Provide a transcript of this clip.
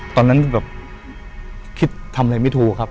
ตอนนั้นแบบคิดทำอะไรไม่ถูกครับ